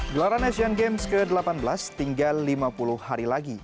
gelaran asian games ke delapan belas tinggal lima puluh hari lagi